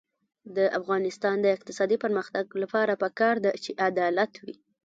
د افغانستان د اقتصادي پرمختګ لپاره پکار ده چې عدالت وي.